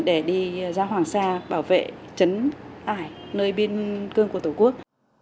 để đi ra hoàng sa bảo vệ trấn ải nơi biên cương của tổ quốc